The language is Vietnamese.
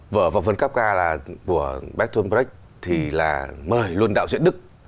vở vòng vấn cáp ca là vở battle break thì là mời luôn đạo diễn đức